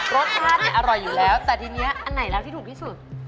รสชาติเนี่ยอร่อยอยู่แล้วแต่ทีนี้อันไหนแล้วที่ถูกที่สุด